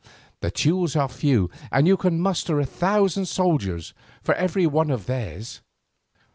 The Teules are few and you can muster a thousand soldiers for every one of theirs.